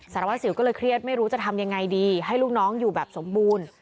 สารวัสสิวก็เลยเครียดไม่รู้จะทำยังไงดีให้ลูกน้องอยู่แบบสมบูรณ์